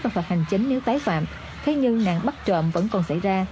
và phạt hành chính nếu tái phạm thế nhưng nạn bắt trộm vẫn còn xảy ra